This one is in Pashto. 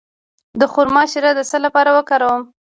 د خرما شیره د څه لپاره وکاروم؟